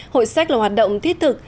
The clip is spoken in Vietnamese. hội sách là hoạt động thiết thực